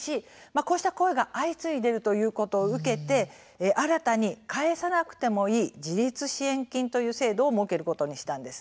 こうした声が相次いでいるということを受けて新たに返さなくてもいい自立支援金という制度を設けることにしたんです。